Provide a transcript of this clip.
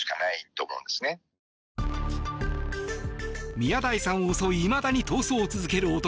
宮台さんを襲いいまだに逃走を続ける男。